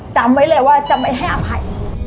จำไว้เลยว่าจะไม่ให้อภัย